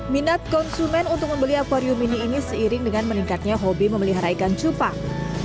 minat konsumen untuk membeli akwarium ini ini seiring dengan meningkatnya hobi memelihara ikan cupang